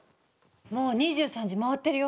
もう２３時回ってるよ。